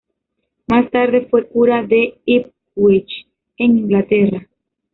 Más tarde fue cura de Ipswich en Inglaterra.